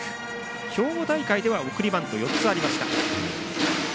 兵庫大会では送りバント４つありました。